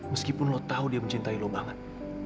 meskipun lu tau dia mencintai lu banget